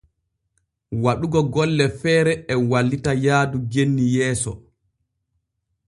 Waɗugo golle feere e wallita yaadu genni yeeso.